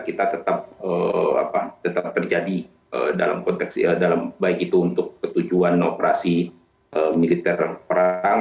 kita tetap terjadi dalam konteks baik itu untuk ketujuan operasi militer perang